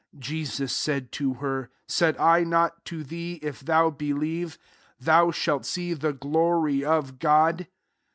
'* 40 Jesus said to her, " Said I not to thee. If thou be lieve, thou shalt see the glory of God